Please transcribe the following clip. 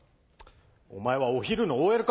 お前はお昼のＯＬか。